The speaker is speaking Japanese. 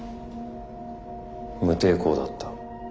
無抵抗だった。